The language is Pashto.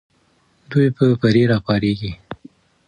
دوی به پرې راپارېږي.